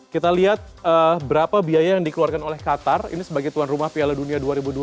kita lihat berapa biaya yang dikeluarkan oleh qatar ini sebagai tuan rumah piala dunia dua ribu dua puluh